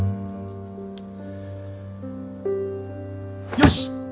よし。